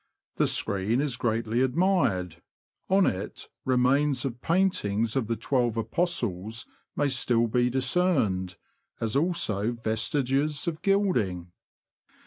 The screen is greatly admired : on it remains of paintings of the Twelve Apostles may still be dis cerned, as also vestiges of gilding.